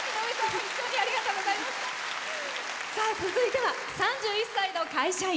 続いては、３１歳の会社員。